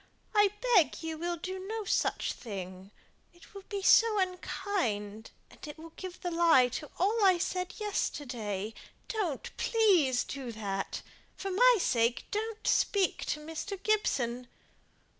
I beg you will do no such thing. It will be so unkind; it will give the lie to all I said yesterday. Don't, please, do that. For my sake, don't speak to Mr. Gibson!"